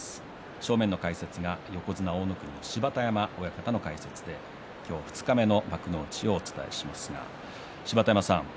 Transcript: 正面の解説が横綱大乃国の芝田山親方の解説で今日、二日目の幕内をお伝えしますが芝田山さん